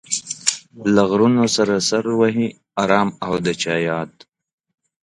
له غرونو سره سر وهي ارام او د چا ياد